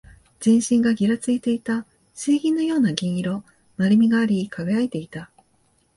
全身がぎらついていた。水銀のような銀色。丸みがあり、輝いていた。